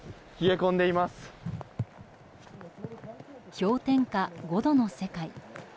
氷点下５度の世界。